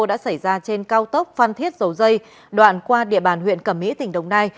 đã xảy ra trên cao tốc phan thiết dầu dây đoạn qua địa bàn huyện cẩm mỹ tỉnh đồng nai